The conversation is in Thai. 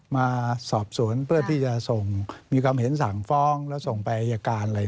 มาสอบสวนเพื่อที่จะส่งมีความเห็นสั่งฟ้องแล้วส่งไปอายการอะไร